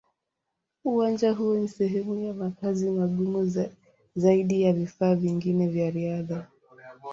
Uwanja huo ni sehemu ya makazi magumu zaidi ya vifaa vingine vya riadha.